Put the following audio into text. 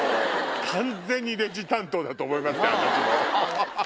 完全にレジ担当だと思いましたよ